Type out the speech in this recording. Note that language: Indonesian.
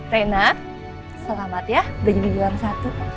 reyna selamat ya udah jadi juara satu